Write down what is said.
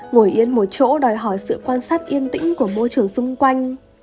ngồi yên một chỗ đòi hỏi sự quan sát yên tĩnh của môi trường xung quanh